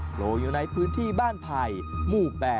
โกรธอยู่ในพื้นที่บ้านไพรมู่๘